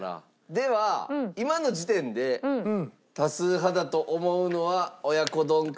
では今の時点で多数派だと思うのは親子丼か？